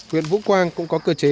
huyện vũ quang cũng có cơ chế